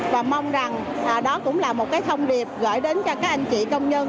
và mong rằng đó cũng là một cái thông điệp gửi đến cho các anh chị công nhân